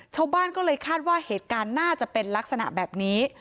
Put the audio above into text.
ชาวบ้านก็เลยคาดว่าเหตุการณ์น่าจะเป็นลักษณะแบบนี้